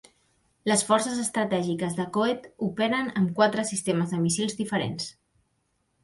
Les Forces Estratègiques de Coet, operen amb quatre sistemes de míssils diferents.